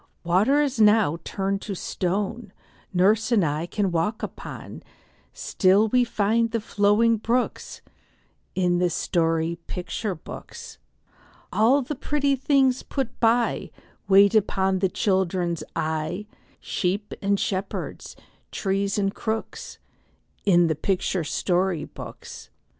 Water now is turned to stone Nurse and I can walk upon; Still we find the flowing brooks In the picture story books. All the pretty things put by, Wait upon the children's eye, Sheep and shepherds, trees and crooks, In the picture story books.